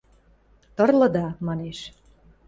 – Тырлыда! – манеш.